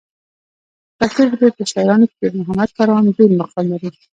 د پښتو ژبې په شاعرانو کې پېرمحمد کاروان بېل مقام لري.